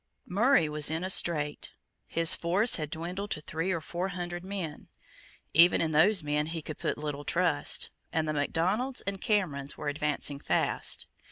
Murray was in a strait. His force had dwindled to three or four hundred men: even in those men he could put little trust; and the Macdonalds and Camerons were advancing fast.